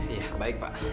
iya baik pak